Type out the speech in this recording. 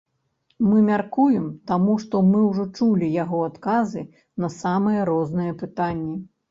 Мы мяркуем, таму што мы ўжо чулі яго адказы на самыя розныя пытанні.